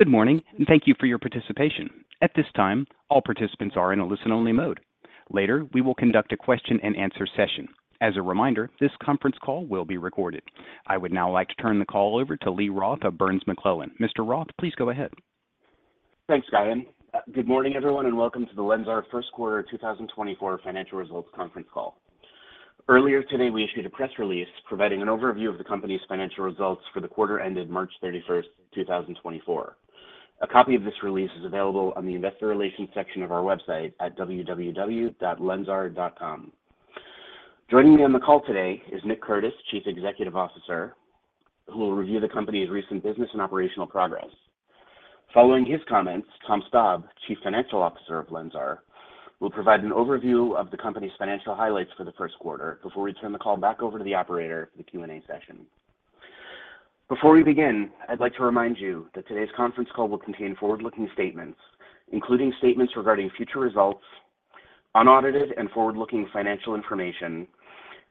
Good morning, and thank you for your participation. At this time, all participants are in a listen-only mode. Later, we will conduct a question-and-answer session. As a reminder, this conference call will be recorded. I would now like to turn the call over to Lee Roth of Burns McClellan. Mr. Roth, please go ahead. Thanks, Ryan. Good morning, everyone, and welcome to the LENSAR First Quarter 2024 Financial Results conference call. Earlier today, we issued a press release providing an overview of the company's financial results for the quarter ended March 31st, 2024. A copy of this release is available on the Investor Relations section of our website at www.lensar.com. Joining me on the call today is Nick Curtis, Chief Executive Officer, who will review the company's recent business and operational progress. Following his comments, Tom Staab, Chief Financial Officer of LENSAR, will provide an overview of the company's financial highlights for the first quarter before we turn the call back over to the operator for the Q&A session. Before we begin, I'd like to remind you that today's conference call will contain forward-looking statements, including statements regarding future results, unaudited and forward-looking financial information,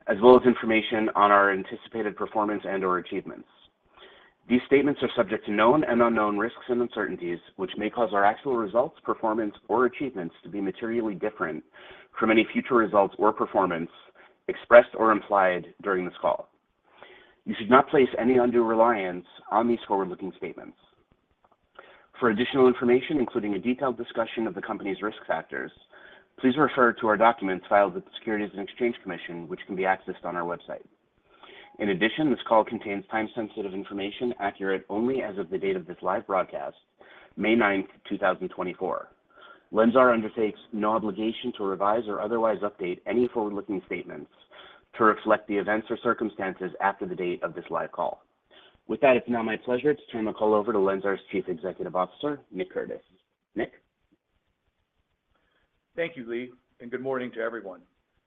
as well as information on our anticipated performance and/or achievements. These statements are subject to known and unknown risks and uncertainties, which may cause our actual results, performance, or achievements to be materially different from any future results or performance expressed or implied during this call. You should not place any undue reliance on these forward-looking statements. For additional information, including a detailed discussion of the company's risk factors, please refer to our documents filed with the Securities and Exchange Commission, which can be accessed on our website. In addition, this call contains time-sensitive information accurate only as of the date of this live broadcast, May 9th, 2024. LENSAR undertakes no obligation to revise or otherwise update any forward-looking statements to reflect the events or circumstances after the date of this live call. With that, it's now my pleasure to turn the call over to LENSAR's Chief Executive Officer, Nick Curtis. Nick? Thank you, Lee, and good morning to everyone.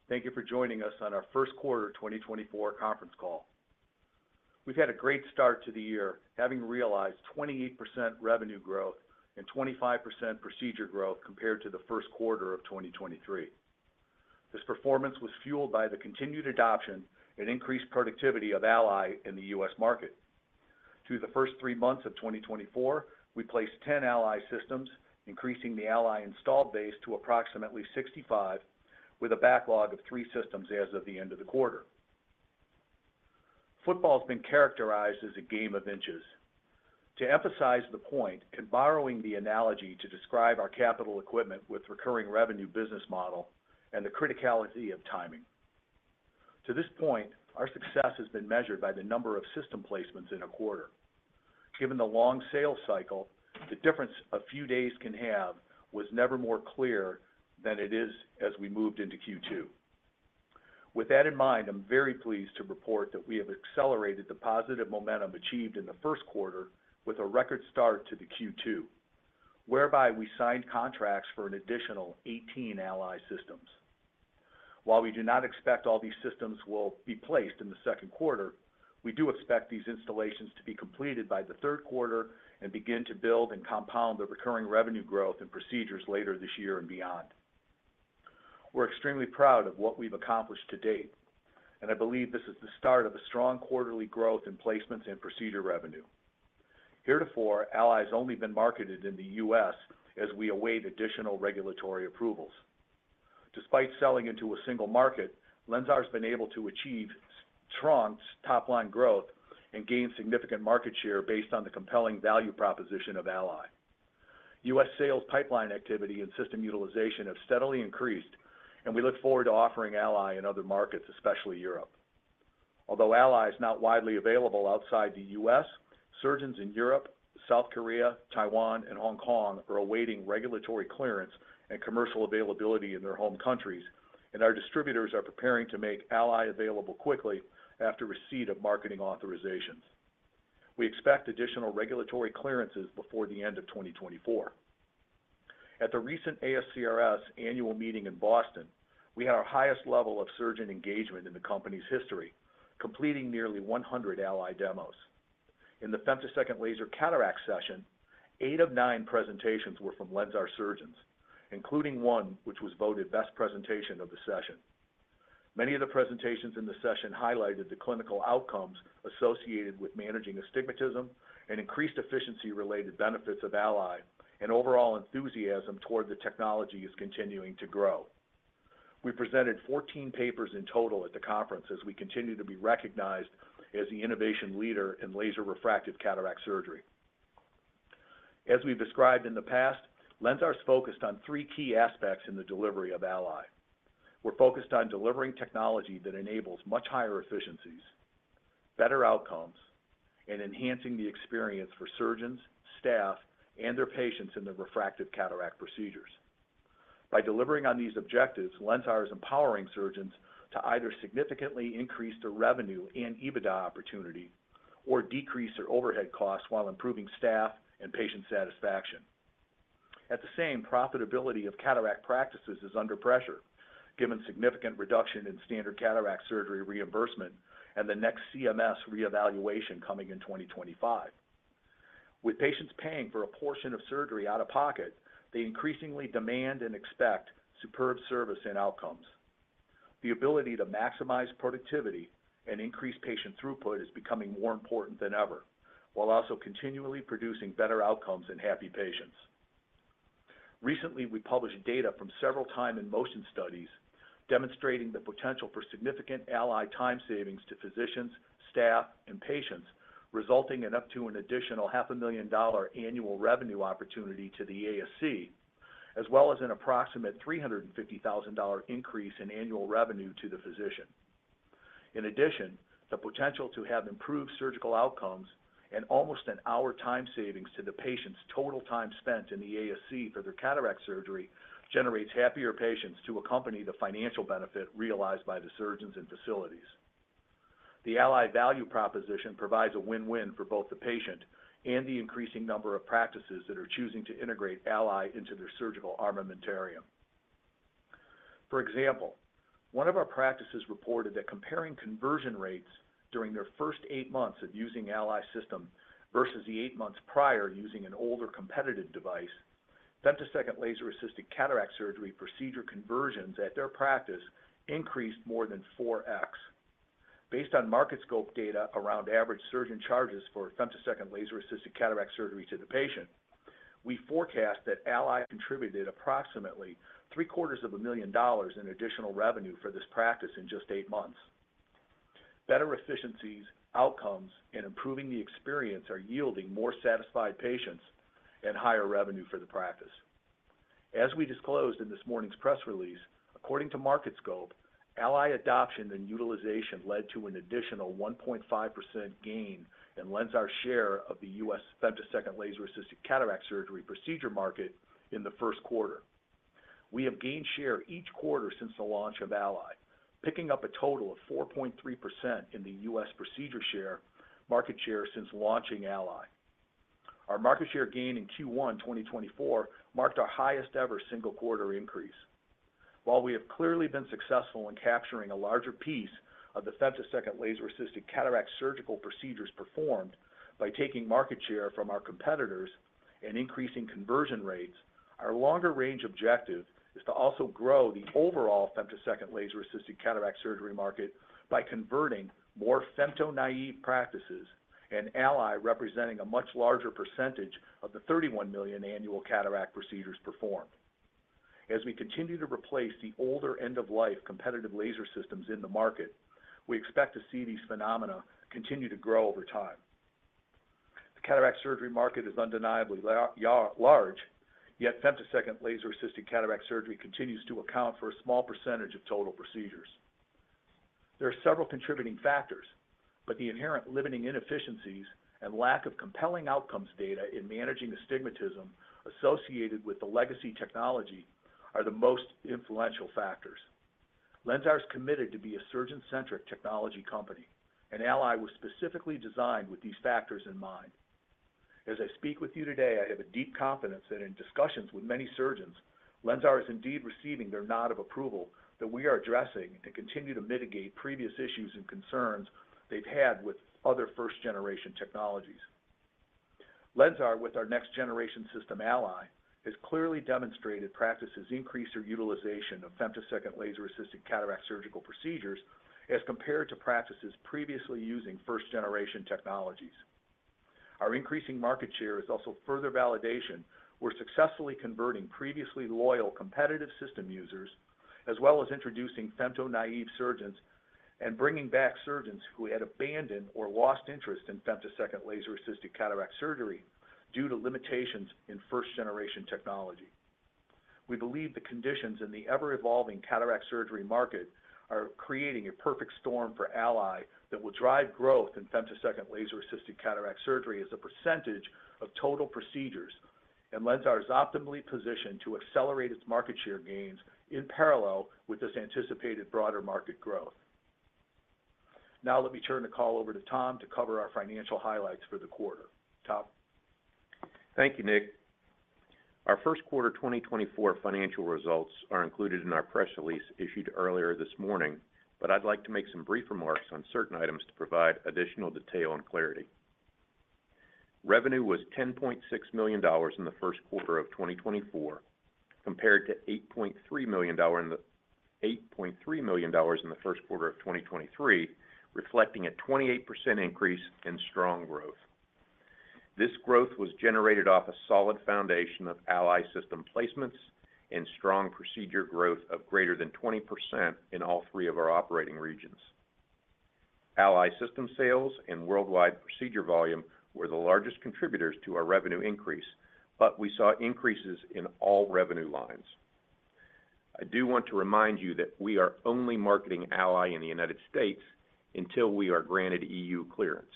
Thank you for joining us on our first quarter 2024 conference call. We've had a great start to the year, having realized 28% revenue growth and 25% procedure growth compared to the first quarter of 2023. This performance was fueled by the continued adoption and increased productivity of ALLY in the U.S. market. Through the first three months of 2024, we placed 10 ALLY systems, increasing the ALLY installed base to approximately 65, with a backlog of three systems as of the end of the quarter. Football has been characterized as a game of inches. To emphasize the point and borrowing the analogy to describe our capital equipment with recurring revenue business model and the criticality of timing. To this point, our success has been measured by the number of system placements in a quarter. Given the long sales cycle, the difference a few days can have was never more clear than it is as we moved into Q2. With that in mind, I'm very pleased to report that we have accelerated the positive momentum achieved in the first quarter with a record start to the Q2, whereby we signed contracts for an additional 18 ALLY systems. While we do not expect all these systems will be placed in the second quarter, we do expect these installations to be completed by the third quarter and begin to build and compound the recurring revenue growth and procedures later this year and beyond. We're extremely proud of what we've accomplished to date, and I believe this is the start of a strong quarterly growth in placements and procedure revenue. Heretofore, ALLY has only been marketed in the U.S. as we await additional regulatory approvals. Despite selling into a single market, LENSAR has been able to achieve strong top-line growth and gain significant market share based on the compelling value proposition of ALLY. U.S. sales pipeline activity and system utilization have steadily increased, and we look forward to offering ALLY in other markets, especially Europe. Although ALLY is not widely available outside the U.S., surgeons in Europe, South Korea, Taiwan, and Hong Kong are awaiting regulatory clearance and commercial availability in their home countries, and our distributors are preparing to make ALLY available quickly after receipt of marketing authorizations. We expect additional regulatory clearances before the end of 2024. At the recent ASCRS annual meeting in Boston, we had our highest level of surgeon engagement in the company's history, completing nearly 100 ALLY demos. In the femtosecond laser cataract session, eight of nine presentations were from LENSAR surgeons, including one which was voted best presentation of the session. Many of the presentations in the session highlighted the clinical outcomes associated with managing astigmatism and increased efficiency-related benefits of ALLY, and overall enthusiasm toward the technology is continuing to grow. We presented 14 papers in total at the conference, as we continue to be recognized as the innovation leader in laser refractive cataract surgery. As we've described in the past, LENSAR is focused on three key aspects in the delivery of ALLY. We're focused on delivering technology that enables much higher efficiencies, better outcomes, and enhancing the experience for surgeons, staff, and their patients in the refractive cataract procedures. By delivering on these objectives, LENSAR is empowering surgeons to either significantly increase their revenue and EBITDA opportunity or decrease their overhead costs while improving staff and patient satisfaction. At the same time, profitability of cataract practices is under pressure, given significant reduction in standard cataract surgery reimbursement and the next CMS reevaluation coming in 2025. With patients paying for a portion of surgery out of pocket, they increasingly demand and expect superb service and outcomes. The ability to maximize productivity and increase patient throughput is becoming more important than ever, while also continually producing better outcomes and happy patients. Recently, we published data from several time and motion studies demonstrating the potential for significant ALLY time savings to physicians, staff, and patients, resulting in up to an additional $500,000 annual revenue opportunity to the ASC, as well as an approximate $350,000 increase in annual revenue to the physician. In addition, the potential to have improved surgical outcomes and almost an hour time savings to the patient's total time spent in the ASC for their cataract surgery, generates happier patients to accompany the financial benefit realized by the surgeons and facilities. The ALLY value proposition provides a win-win for both the patient and the increasing number of practices that are choosing to integrate ALLY into their surgical armamentarium. For example, one of our practices reported that comparing conversion rates during their first eight months of using ALLY system versus the eight months prior using an older competitive device, femtosecond laser-assisted cataract surgery procedure conversions at their practice increased more than 4x. Based on Market Scope data around average surgeon charges for femtosecond laser-assisted cataract surgery to the patient, we forecast that ALLY contributed approximately $750,000 in additional revenue for this practice in just eight months. Better efficiencies, outcomes, and improving the experience are yielding more satisfied patients and higher revenue for the practice. As we disclosed in this morning's press release, according to Market Scope, ALLY adoption and utilization led to an additional 1.5% gain in LENSAR share of the U.S. femtosecond laser-assisted cataract surgery procedure market in the first quarter. We have gained share each quarter since the launch of ALLY, picking up a total of 4.3% in the U.S. procedure share, market share, since launching ALLY. Our market share gain in Q1 2024 marked our highest ever single quarter increase. While we have clearly been successful in capturing a larger piece of the femtosecond laser-assisted cataract surgical procedures performed by taking market share from our competitors and increasing conversion rates, our longer range objective is to also grow the overall femtosecond laser-assisted cataract surgery market by converting more femto-naïve practices, and ALLY representing a much larger percentage of the 31 million annual cataract procedures performed. As we continue to replace the older end-of-life competitive laser systems in the market, we expect to see these phenomena continue to grow over time. The cataract surgery market is undeniably large, yet femtosecond laser-assisted cataract surgery continues to account for a small percentage of total procedures. There are several contributing factors, but the inherent limiting inefficiencies and lack of compelling outcomes data in managing astigmatism associated with the legacy technology are the most influential factors. LENSAR is committed to be a surgeon-centric technology company, and ALLY was specifically designed with these factors in mind. As I speak with you today, I have a deep confidence that in discussions with many surgeons, LENSAR is indeed receiving their nod of approval that we are addressing and continue to mitigate previous issues and concerns they've had with other first-generation technologies. LENSAR, with our next-generation system, ALLY, has clearly demonstrated practices increase their utilization of femtosecond laser-assisted cataract surgical procedures as compared to practices previously using first-generation technologies. Our increasing market share is also further validation we're successfully converting previously loyal competitive system users, as well as introducing femto-naïve surgeons and bringing back surgeons who had abandoned or lost interest in femtosecond laser-assisted cataract surgery due to limitations in first-generation technology. We believe the conditions in the ever-evolving cataract surgery market are creating a perfect storm for ALLY that will drive growth in femtosecond laser-assisted cataract surgery as a percentage of total procedures, and LENSAR is optimally positioned to accelerate its market share gains in parallel with this anticipated broader market growth. Now, let me turn the call over to Tom to cover our financial highlights for the quarter. Tom? Thank you, Nick. Our first quarter 2024 financial results are included in our press release issued earlier this morning, but I'd like to make some brief remarks on certain items to provide additional detail and clarity. Revenue was $10.6 million in the first quarter of 2024, compared to $8.3 million in the first quarter of 2023, reflecting a 28% increase and strong growth. This growth was generated off a solid foundation of ALLY system placements and strong procedure growth of greater than 20% in all three of our operating regions. ALLY system sales and worldwide procedure volume were the largest contributors to our revenue increase, but we saw increases in all revenue lines. I do want to remind you that we are only marketing ALLY in the United States until we are granted EU clearance.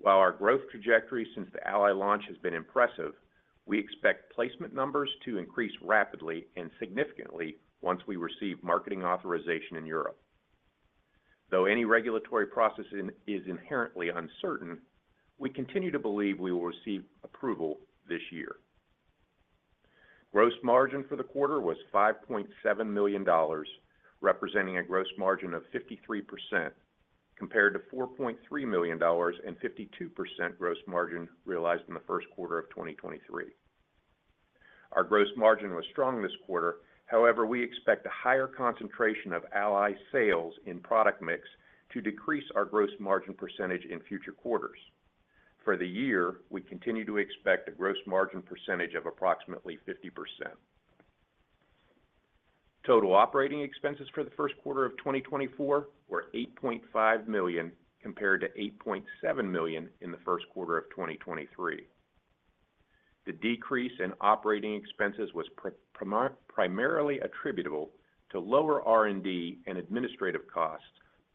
While our growth trajectory since the ALLY launch has been impressive, we expect placement numbers to increase rapidly and significantly once we receive marketing authorization in Europe. Though any regulatory process is inherently uncertain, we continue to believe we will receive approval this year. Gross margin for the quarter was $5.7 million, representing a gross margin of 53%, compared to $4.3 million and 52% gross margin realized in the first quarter of 2023. Our gross margin was strong this quarter, however, we expect a higher concentration of ALLY sales in product mix to decrease our gross margin percentage in future quarters. For the year, we continue to expect a gross margin percentage of approximately 50%. Total operating expenses for the first quarter of 2024 were $8.5 million, compared to $8.7 million in the first quarter of 2023. The decrease in operating expenses was primarily attributable to lower R&D and administrative costs,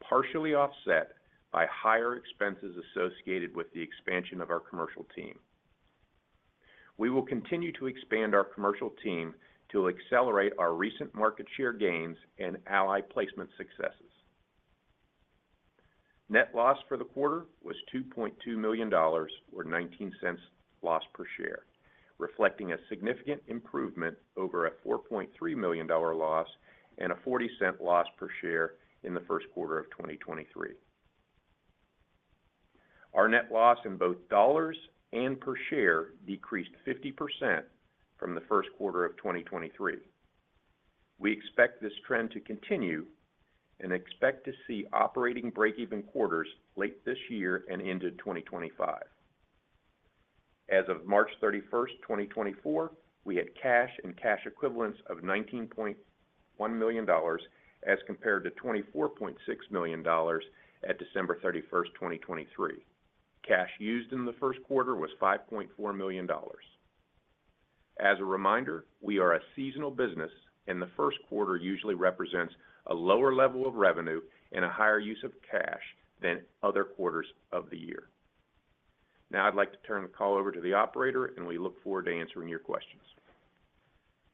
partially offset by higher expenses associated with the expansion of our commercial team. We will continue to expand our commercial team to accelerate our recent market share gains and ALLY placement successes. Net loss for the quarter was $2.2 million, or $0.19 loss per share, reflecting a significant improvement over a $4.3 million loss and a $0.40 loss per share in the first quarter of 2023. Our net loss in both dollars and per share decreased 50% from the first quarter of 2023. We expect this trend to continue and expect to see operating breakeven quarters late this year and into 2025. As of March 31st, 2024, we had cash and cash equivalents of $19.1 million, as compared to $24.6 million at December 31st, 2023. Cash used in the first quarter was $5.4 million. As a reminder, we are a seasonal business, and the first quarter usually represents a lower level of revenue and a higher use of cash than other quarters of the year. Now, I'd like to turn the call over to the operator, and we look forward to answering your questions.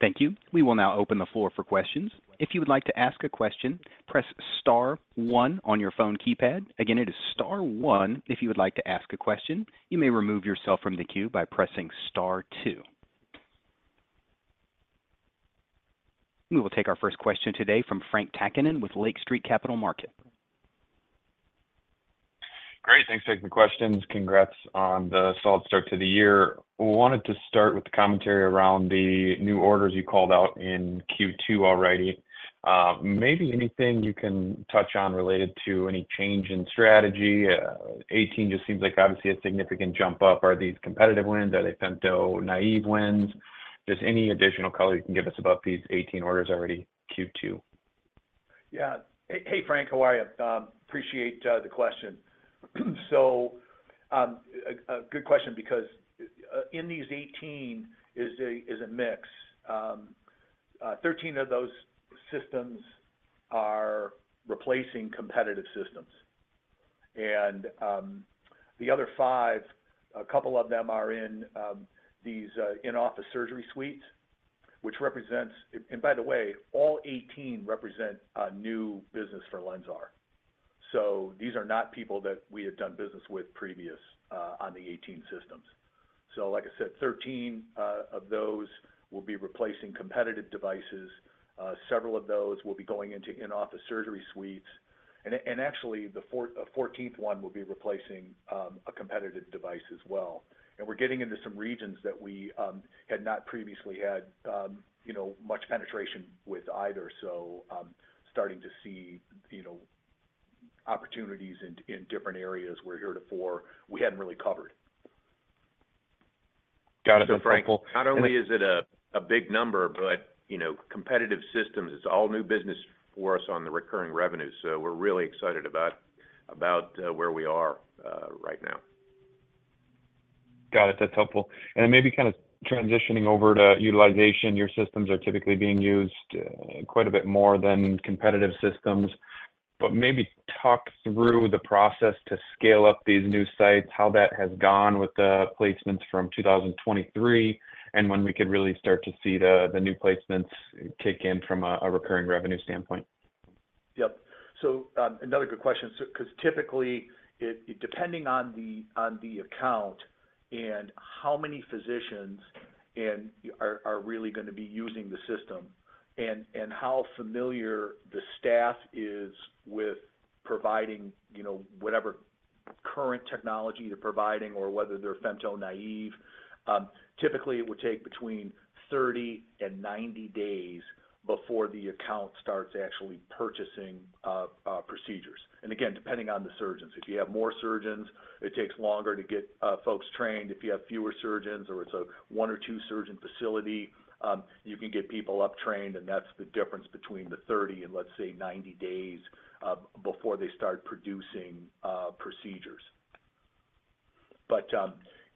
Thank you. We will now open the floor for questions. If you would like to ask a question, press star one on your phone keypad. Again, it is star one if you would like to ask a question. You may remove yourself from the queue by pressing star two. We will take our first question today from Frank Takkinen with Lake Street Capital Markets. Great. Thanks for taking the questions. Congrats on the solid start to the year. Wanted to start with the commentary around the new orders you called out in Q2 already. Maybe anything you can touch on related to any change in strategy? 18 just seems like obviously a significant jump up. Are these competitive wins? Are they femto-naïve wins? Just any additional color you can give us about these 18 orders already, Q2. Yeah. Hey, Hey, Frank, how are you? Appreciate the question. So, a good question, because in these 18 is a mix. 13 of those systems are replacing competitive systems, and the other five, a couple of them are in these in-office surgery suites, which represents... And by the way, all 18 represent a new business for LENSAR. So these are not people that we have done business with previously on the 18 systems. So like I said, 13 of those will be replacing competitive devices. Several of those will be going into in-office surgery suites. And actually, the 14th one will be replacing a competitive device as well. We're getting into some regions that we had not previously had, you know, much penetration with either, so starting to see, you know, opportunities in different areas where heretofore we hadn't really covered. Got it. That's helpful. So, Frank, not only is it a big number, but, you know, competitive systems, it's all new business for us on the recurring revenue, so we're really excited about where we are right now. Got it. That's helpful. And then maybe kind of transitioning over to utilization. Your systems are typically being used quite a bit more than competitive systems, but maybe talk through the process to scale up these new sites, how that has gone with the placements from 2023, and when we could really start to see the new placements kick in from a recurring revenue standpoint. Yep. So, another good question, so because typically, it depending on the, on the account and how many physicians and are really gonna be using the system and how familiar the staff is with providing, you know, whatever current technology they're providing or whether they're femto-naïve, typically it would take between 30 and 90 days before the account starts actually purchasing procedures. And again, depending on the surgeons. If you have more surgeons, it takes longer to get folks trained. If you have fewer surgeons or it's a one or two-surgeon facility, you can get people up trained, and that's the difference between the 30 and, let's say, 90 days before they start producing procedures. You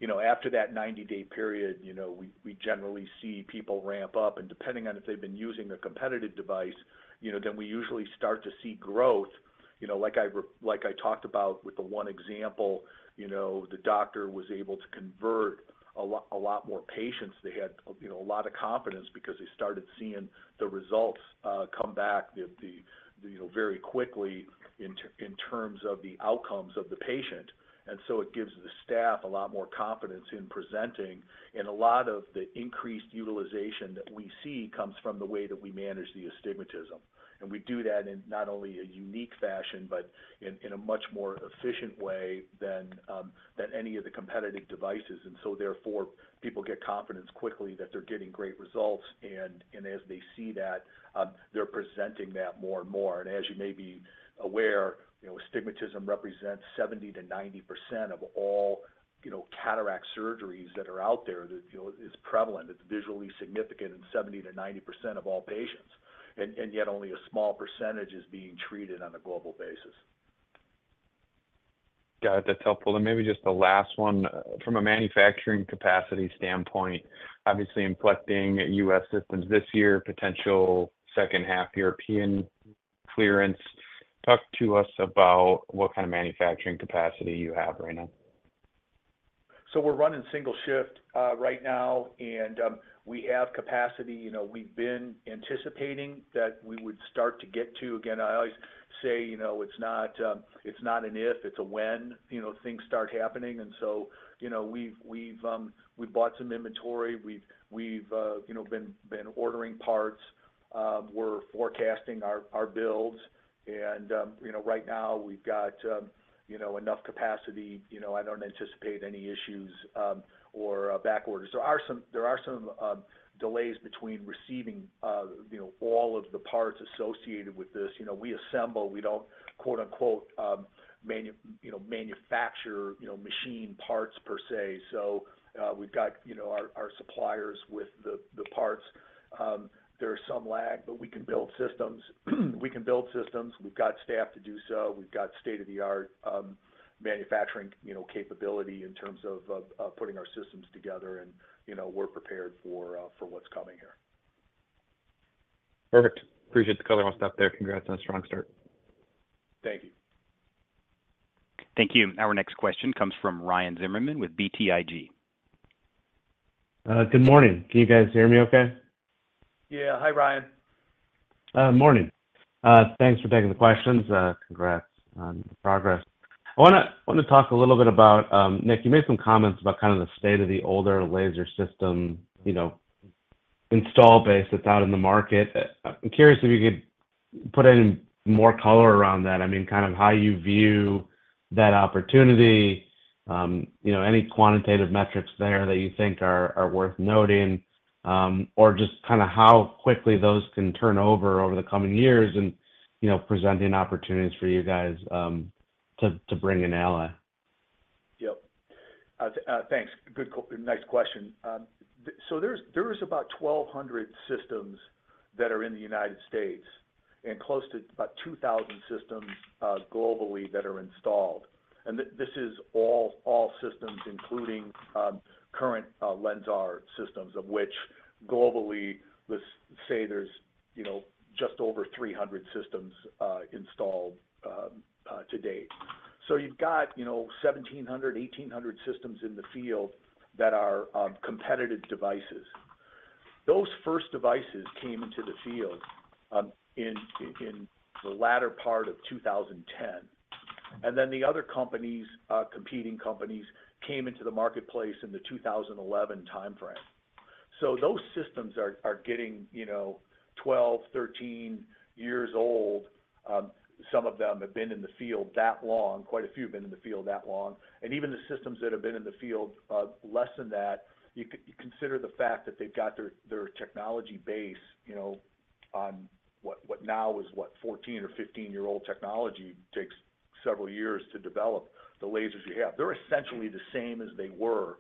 know, after that 90-day period, you know, we generally see people ramp up, and depending on if they've been using a competitive device, you know, then we usually start to see growth. You know, like I talked about with the one example, you know, the doctor was able to convert a lot more patients. They had, you know, a lot of confidence because they started seeing the results come back, you know, very quickly in terms of the outcomes of the patient. And so it gives the staff a lot more confidence in presenting, and a lot of the increased utilization that we see comes from the way that we manage the astigmatism. And we do that in not only a unique fashion, but in a much more efficient way than than any of the competitive devices. And so therefore, people get confidence quickly that they're getting great results, and as they see that, they're presenting that more and more. And as you may be aware, you know, astigmatism represents 70%-90% of all, you know, cataract surgeries that are out there. That, you know, it's prevalent. It's visually significant in 70%-90% of all patients, and yet only a small percentage is being treated on a global basis. Got it, that's helpful. Maybe just the last one, from a manufacturing capacity standpoint, obviously, installing U.S. systems this year, potential second half European clearance. Talk to us about what kind of manufacturing capacity you have right now. So we're running single shift right now, and we have capacity. You know, we've been anticipating that we would start to get to-- Again, I always say, you know, it's not, it's not an if, it's a when, you know, things start happening. And so, you know, we've bought some inventory. We've you know been ordering parts. We're forecasting our builds and you know right now we've got you know enough capacity. You know, I don't anticipate any issues or back orders. There are some delays between receiving you know all of the parts associated with this. You know, we assemble, we don't, quote-unquote, manufacture, you know machine parts per se. So we've got you know our suppliers with the parts. There are some lag, but we can build systems. We can build systems. We've got staff to do so. We've got state-of-the-art manufacturing, you know, capability in terms of putting our systems together and, you know, we're prepared for what's coming here. Perfect. Appreciate the color. I'll stop there. Congrats on a strong start. Thank you. Thank you. Our next question comes from Ryan Zimmerman with BTIG. Good morning. Can you guys hear me okay? Yeah. Hi, Ryan. Morning. Thanks for taking the questions. Congrats on the progress. I wanna talk a little bit about Nick. You made some comments about kind of the state of the older laser system, you know, installed base that's out in the market. I'm curious if you could put in more color around that. I mean, kind of how you view that opportunity, you know, any quantitative metrics there that you think are worth noting, or just kind of how quickly those can turn over over the coming years and, you know, presenting opportunities for you guys to bring in ALLY. Yep. Thanks. Good question. So there's, there is about 1,200 systems that are in the United States, and close to about 2,000 systems, globally, that are installed. And this is all, all systems, including, current, LENSAR systems, of which, globally, let's say there's, you know, just over 300 systems, installed, to date. So you've got, you know, 1,700-1,800 systems in the field that are, competitive devices. Those first devices came into the field, in the latter part of 2010. And then the other companies, competing companies, came into the marketplace in the 2011 timeframe. So those systems are, getting, you know, 12-13 years old. Some of them have been in the field that long. Quite a few have been in the field that long. Even the systems that have been in the field less than that, you consider the fact that they've got their technology base, you know, on what now is 14- or 15-year-old technology. It takes several years to develop the lasers you have. They're essentially the same as they were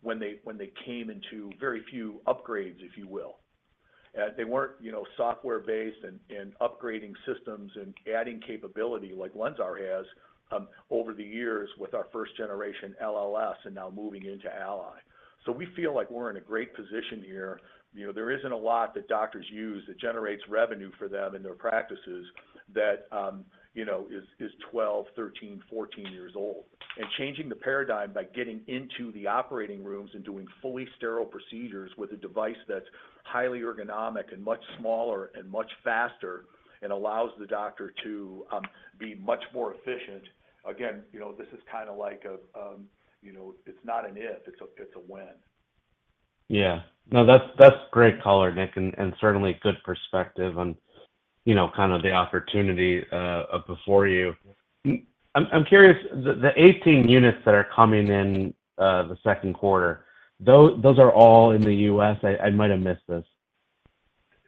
when they came into very few upgrades, if you will. They weren't, you know, software-based and upgrading systems and adding capability like LENSAR has over the years with our first generation LLS and now moving into ALLY. So we feel like we're in a great position here. You know, there isn't a lot that doctors use that generates revenue for them in their practices that is 12, 13, 14 years old. changing the paradigm by getting into the operating rooms and doing fully sterile procedures with a device that's highly ergonomic and much smaller and much faster, and allows the doctor to be much more efficient. Again, you know, this is kind of like a, you know... It's not an if, it's a, it's a when. Yeah. No, that's great color, Nick, and certainly good perspective on, you know, kind of the opportunity before you. I'm curious. The 18 units that are coming in the second quarter, those are all in the U.S.? I might have missed this.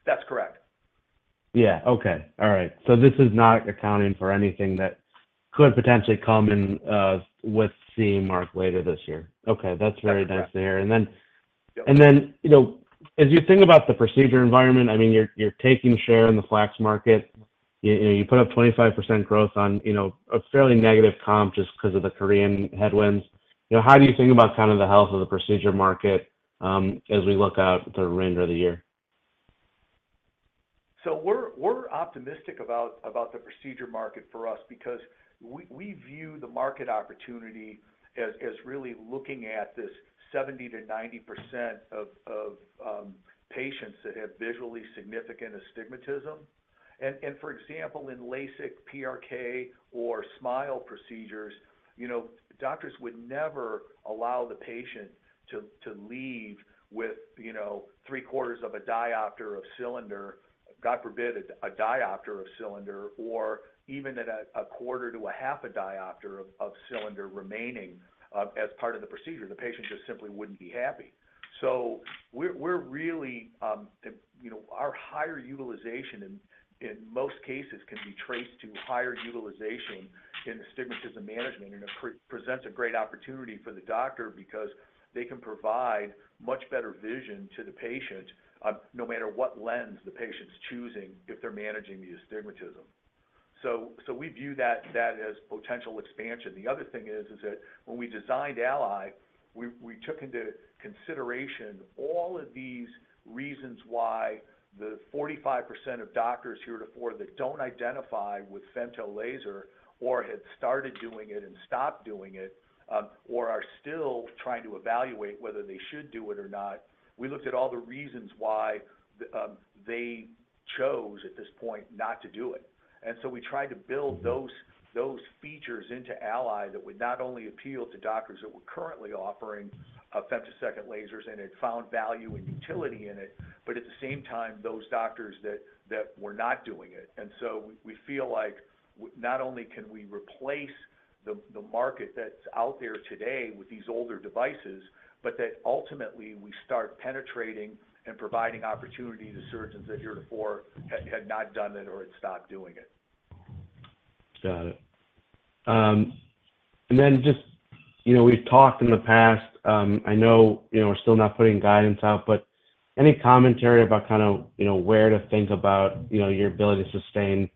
That's correct. Yeah. Okay. All right. So this is not accounting for anything that could potentially come in, with CE Mark later this year. Okay. Correct. That's very nice to hear. And then- Yeah... And then, you know, as you think about the procedure environment, I mean, you're taking share in the FLACS market. You put up 25% growth on, you know, a fairly negative comp, just because of the Korean headwinds. You know, how do you think about kind of the health of the procedure market as we look out the remainder of the year? So we're optimistic about the procedure market for us because we view the market opportunity as really looking at this 70%-90% of patients that have visually significant astigmatism. And for example, in LASIK, PRK, or SMILE procedures, you know, doctors would never allow the patient to leave with, you know, three-quarters of a diopter of cylinder, God forbid, a diopter of cylinder, or even at a quarter to a half a diopter of cylinder remaining, as part of the procedure. The patient just simply wouldn't be happy. So we're really, you know, our higher utilization in most cases can be traced to higher utilization in astigmatism management, and it presents a great opportunity for the doctor because they can provide much better vision to the patient, no matter what lens the patient's choosing, if they're managing the astigmatism. So we view that as potential expansion. The other thing is that when we designed ALLY, we took into consideration all of these reasons why the 45% of doctors heretofore that don't identify with femto laser or had started doing it and stopped doing it, or are still trying to evaluate whether they should do it or not. We looked at all the reasons why they chose, at this point, not to do it. And so we tried to build those features into ALLY that would not only appeal to doctors that were currently offering femtosecond lasers and had found value and utility in it, but at the same time, those doctors that were not doing it. And so we feel like not only can we replace the market that's out there today with these older devices, but that ultimately, we start penetrating and providing opportunity to surgeons that heretofore had not done it or had stopped doing it. Got it. And then just, you know, we've talked in the past, I know, you know, we're still not putting guidance out, but any commentary about kind of, you know, where to think about, you know, your ability to sustain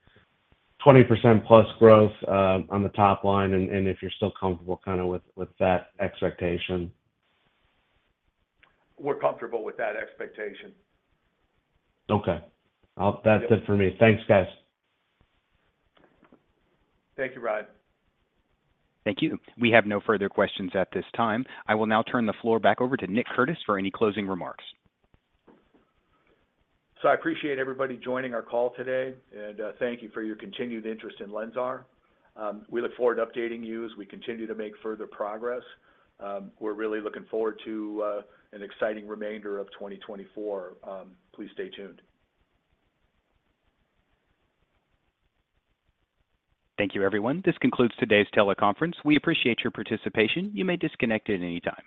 20%+ growth on the top line, and if you're still comfortable kinda with that expectation? We're comfortable with that expectation. Okay. Well, that's it for me. Thanks, guys. Thank you, Ryan. Thank you. We have no further questions at this time. I will now turn the floor back over to Nick Curtis for any closing remarks. I appreciate everybody joining our call today, and thank you for your continued interest in LENSAR. We look forward to updating you as we continue to make further progress. We're really looking forward to an exciting remainder of 2024. Please stay tuned. Thank you, everyone. This concludes today's teleconference. We appreciate your participation. You may disconnect at any time.